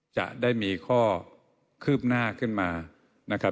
จะได้มีข้อคืบหน้าขึ้นมา